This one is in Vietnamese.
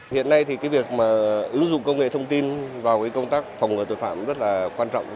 hiện nay việc ứng dụng công nghệ thông tin vào công tác phòng ngừa tội phạm rất quan trọng